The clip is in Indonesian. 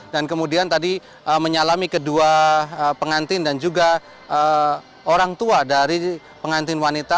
dan kemudian tadi menyalami kedua pengantin dan juga orang tua dari pengantin wanita